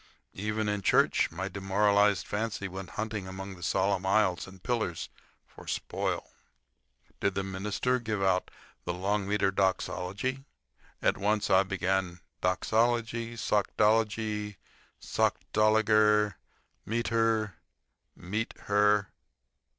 Even in church my demoralized fancy went hunting among the solemn aisles and pillars for spoil. Did the minister give out the long meter doxology, at once I began: "Doxology—sockdology—sockdolager—meter—meet her."